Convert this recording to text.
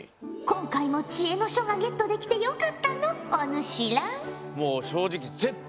今回も知恵の書がゲットできてよかったのおぬしら。